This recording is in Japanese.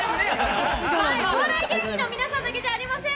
お笑い芸人の皆さんだけじゃありません。